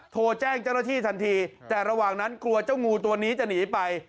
โทรแจ้งเจ้าหน้าที่ทันทีแต่ระหว่างนั้นกลัวเจ้างูตัวนี้จะหนีไป